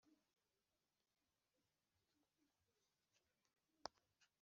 Irari ry’uburaya riyobya Israheli